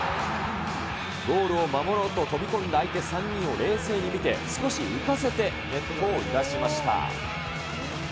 ゴールを守ろうと飛び込んだ相手３人を冷静に見て、少し浮かせてネットを揺らしました。